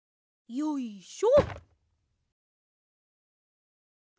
よいしょ！